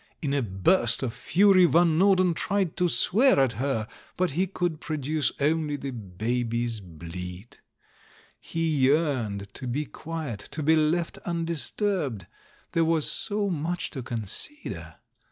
In a burst of fury, Van Norden tried to swear at her, but he could produce only the baby's bleat. He yearned to be quiet, to be left undisturbed — there was so much to consider.